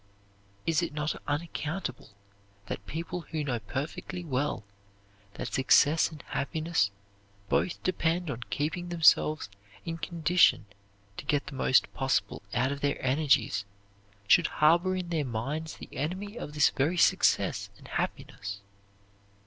Is it not unaccountable that people who know perfectly well that success and happiness both depend on keeping themselves in condition to get the most possible out of their energies should harbor in their minds the enemy of this very success and happiness?